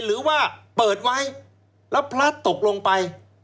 หรือว่าเปิดไว้แล้วพลัดตกลงไป